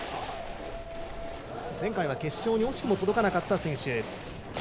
前回は決勝に惜しくも届かなかった選手。